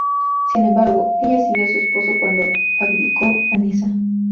Sin embargo, ella siguió a su esposo cuando abdicó, a Niza.